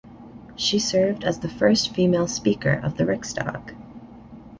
She served as the first female Speaker of the Riksdag.